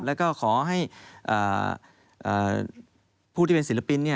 แล้วก็ขอให้ผู้ที่เป็นศิลปิน